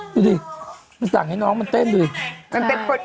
ดูดิมันสั่งให้น้องมันเต้นดิ